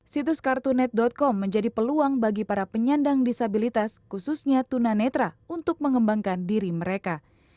situs kartunet com menjadi peluang bagi para penyandang disabilitas khususnya tunanetra untuk mengembangkan diri mereka